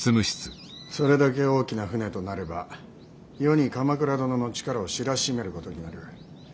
それだけ大きな船となれば世に鎌倉殿の力を知らしめることになる。